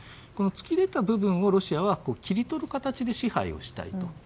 突き出た部分をロシアは切り取る形で支配したい。